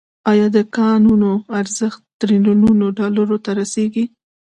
آیا د کانونو ارزښت تریلیونونو ډالرو ته رسیږي؟